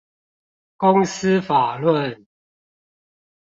公司法論